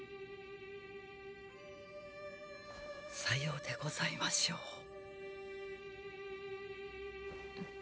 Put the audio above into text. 左様でございましょう。